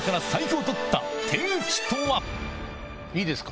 いいですか？